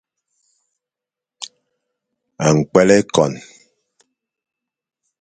Ñkwel ô fôn.